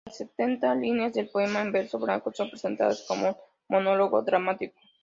Las setenta líneas del poema en verso blanco son presentadas como un monólogo dramático.